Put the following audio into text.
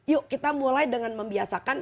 yuk kita mulai dengan membiasakan